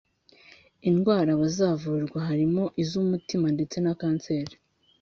Indwara bazavurwa harimo iz’umutima ndetse na Kanseri